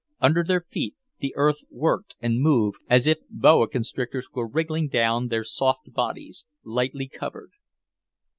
Under their feet the earth worked and moved as if boa constrictors were wriggling down there soft bodies, lightly covered.